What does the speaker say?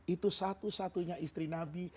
itu satu satunya istri nabi